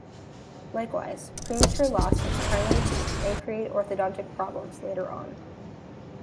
Likewise, premature loss of primary teeth may create orthodontic problems later on.